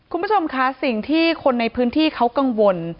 คุณผู้ชมค่ะสิ่งที่คนในพื้นที่เขากังวล